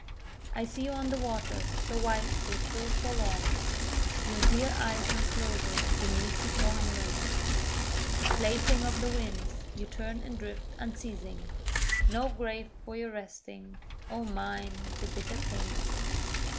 I see you on the waters, so white, so still forlorn, Your dear eyes unclosing beneath a foreign rain: A plaything of the winds, you turn and drift unceasing, No grave for your resting; O mine the bitter pain!